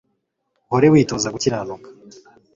uhore witoza gukiranuka